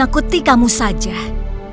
aku tidak akan menangkapmu